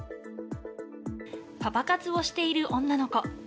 パパ活をしている女の子。